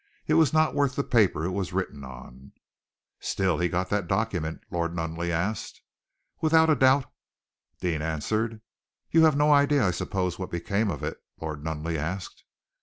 It was not worth the paper it was written on." "Still, he had got that document?" Lord Nunneley asked. "Without a doubt," Deane answered. "You have no idea, I suppose, what became of it?" Lord Nunneley asked.